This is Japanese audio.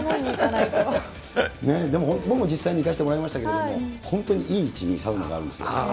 でも僕も実際に行かせてもらいましたけど、本当にいい位置にサウナがあるんですよ。